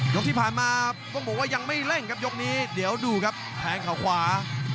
ที่ผ่านมาต้องบอกว่ายังไม่เร่งครับยกนี้เดี๋ยวดูครับแทงเขาขวา